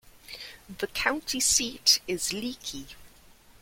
The county seat is Leakey.